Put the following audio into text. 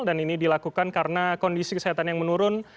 dan ini dilakukan karena kondisi kesehatan yang menurun